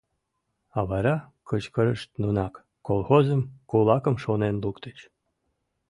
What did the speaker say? А вара кычкырышт нунак — колхозым, кулакым шонен луктыч...